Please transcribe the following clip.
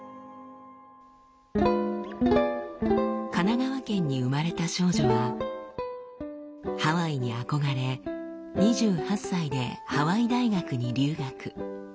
神奈川県に生まれた少女はハワイに憧れ２８歳でハワイ大学に留学。